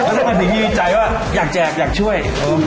แล้วมันถึงมีใจว่าอยากแจกอยากช่วย